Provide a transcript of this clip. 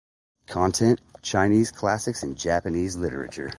Content: Chinese classics and Japanese literature.